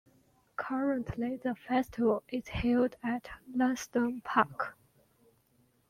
Currently the festival is held at Lansdowne Park.